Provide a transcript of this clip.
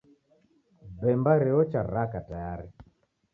Bemba reocha raka tayari